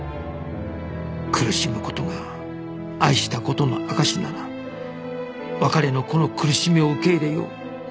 苦しむ事が愛した事の証しなら別れのこの苦しみを受け入れよう